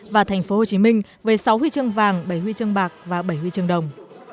và thành phố hồ chí minh với sáu huy chương vàng bảy huy chương bạc và bảy huy chương đồng